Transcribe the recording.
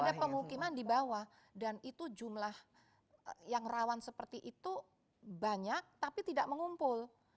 ada pemukiman di bawah dan itu jumlah yang rawan seperti itu banyak tapi tidak mengumpul